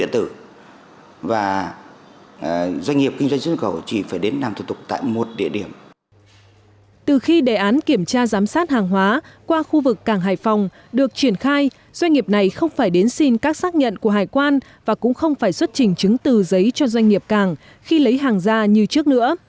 trong lúc giám sát hàng hóa qua khu vực cảng hải phòng được triển khai doanh nghiệp này không phải đến xin các xác nhận của hải quan và cũng không phải xuất trình chứng từ giấy cho doanh nghiệp cảng khi lấy hàng ra như trước nữa